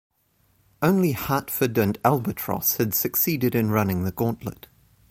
Only "Hartford" and "Albatross" had succeeded in running the gauntlet.